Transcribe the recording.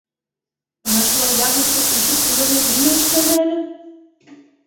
Бына шулай яҙ еткәс өшөп үлерлек нимә эшләне әле?!